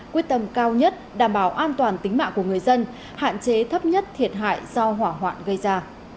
quyết tâm cao nhất đảm bảo an toàn tính mạng của người dân hạn chế thấp nhất thiệt hại do hỏa hoạn gây ra